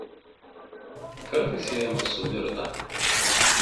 Kartais siejamas su mirta.